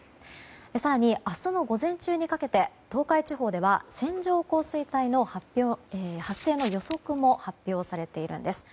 更に、明日の午前中にかけて東海地方では線状降水帯の発生の予測も発表されているんです。